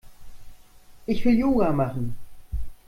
Ich will Yoga machen.